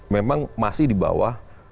memang masih di bawah